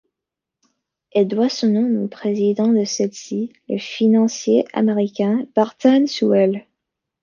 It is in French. Elle doit son nom au président de celle-ci, le financier américain Barton Sewell.